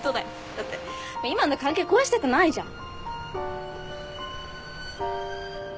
だって今の関係壊したくないじゃん。